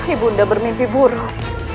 ibu undang bermimpi buruk